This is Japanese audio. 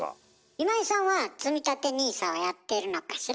今井さんはつみたてＮＩＳＡはやってるのかしら？